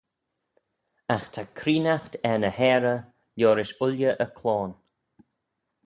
Agh ta creenaght er ny heyrey liorish ooilley e cloan.